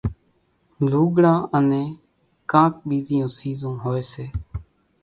لوڳڙان انين ڪانڪ ٻيزِيوُن سيزون هوئيَ سي۔